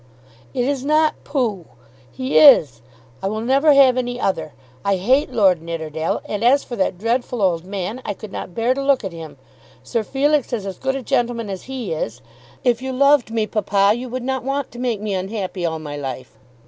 "It is not pooh. He is. I will never have any other. I hate Lord Nidderdale; and as for that dreadful old man, I could not bear to look at him. Sir Felix is as good a gentleman as he is. If you loved me, papa, you would not want to make me unhappy all my life."